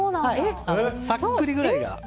さっくりぐらいが。